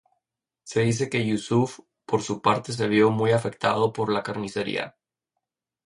Se dice que Yusuf por su parte se vio muy afectado por la carnicería.